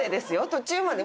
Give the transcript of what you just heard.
途中まで。